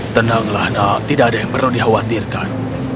tenanglah tidak ada yang perlu dikhawatirkan